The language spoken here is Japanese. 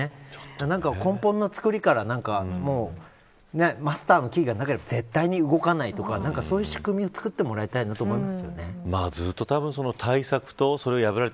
何か根本のつくりからマスターのキーがなければ絶対に動かないとかそういう仕組みを作ってもらいたいなと思います。